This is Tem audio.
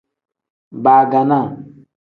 Baaganaa.